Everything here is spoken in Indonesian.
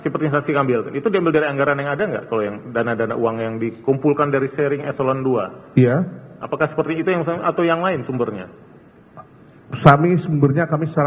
pak idil yang bisa menjelaskan